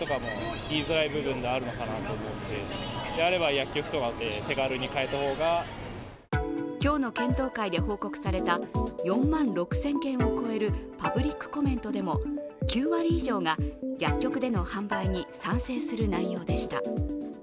薬局での販売を認めることについて、街の人は今日の検討会で報告された４万６０００件を超えるパブリックコメントでも９割以上が薬局での販売に賛成する内容でした。